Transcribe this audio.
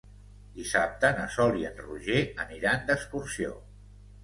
Dissabte na Sol i en Roger aniran d'excursió.